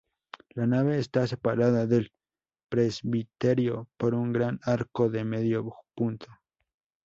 La nave está separada del presbiterio por un gran arco de medio punto.